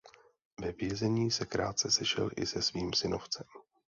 Ve vězení se krátce sešel i se svým synovcem.